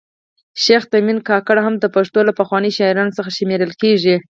شیخ تیمن کاکړ هم د پښتو له پخوانیو شاعرانو څخه شمېرل کیږي